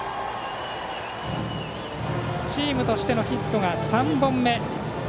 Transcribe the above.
チームとしてのヒットが３本目。